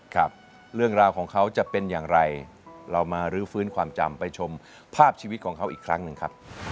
ครับเรื่องราวของเขาจะเป็นอย่างไรเรามารื้อฟื้นความจำไปชมภาพชีวิตของเขาอีกครั้งหนึ่งครับ